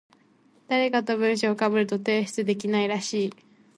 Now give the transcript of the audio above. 誰かと文章被ると提出できないらしい。